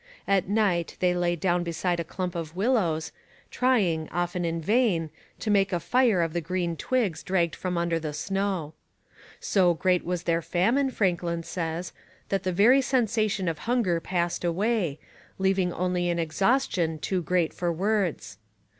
At night they lay down beside a clump of willows, trying, often in vain, to make a fire of the green twigs dragged from under the snow. So great was their famine, Franklin says, that the very sensation of hunger passed away, leaving only an exhaustion too great for words.